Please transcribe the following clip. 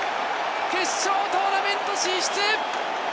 決勝トーナメント進出！